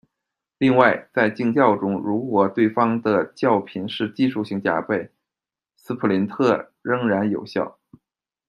另外，在竞叫中，如果对方的叫品是技术性加倍，斯普林特仍然有效。